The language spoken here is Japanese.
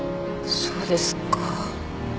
そうですか。